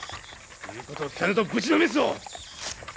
言うことを聞かぬとぶちのめすぞ！